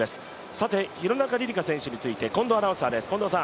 さて、廣中璃梨佳選手について近藤アナウンサーです。